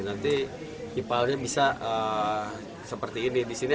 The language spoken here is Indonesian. nanti kipalnya bisa seperti ini